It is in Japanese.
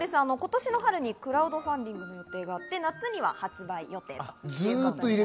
今年の春にクラウドファンディングの予定があって、夏には発売予定です。